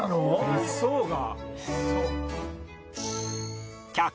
別荘が？